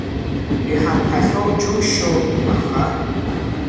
Иҳамҳәахьоу џьушьо, аха…